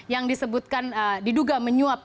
yang disebutkan diduga menyuap